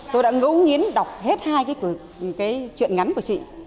tôi đã ngấu nghiến đọc hết hai cái chuyện ngắn của chị